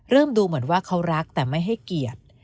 ดูเหมือนว่าเขารักแต่ไม่ให้เกียรติ